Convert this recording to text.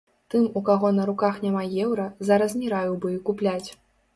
Тым, у каго на руках няма еўра, зараз не раіў бы і купляць.